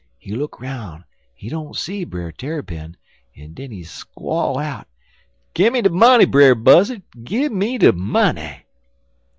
He look 'roun' en he don't see Brer Tarrypin, en den he squall out: "'Gimme de money, Brer Buzzard, Gimme de money!'